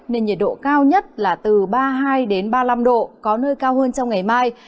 nên nhiệt độ cao nhất là từ ba mươi hai ba mươi năm độ có nơi cao hơn trong ngày mai